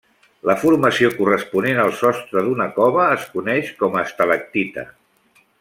La formació corresponent al sostre d'una cova es coneix com a estalactita.